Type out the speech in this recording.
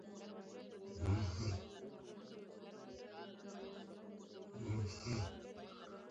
تر دې مخکې ده يوازې چيغې اورېدې.